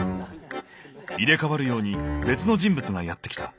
入れ代わるように別の人物がやって来た。